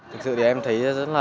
thực sự thì em thấy